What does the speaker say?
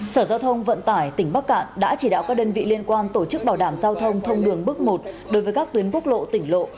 sở giao thông vận tải tỉnh bắc cạn đã chỉ đạo các đơn vị liên quan tổ chức bảo đảm giao thông thông đường bước một đối với các tuyến quốc lộ tỉnh lộ